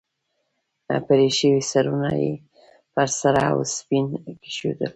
پرې شوي سرونه یې پر سره اوسپنه کېښودل.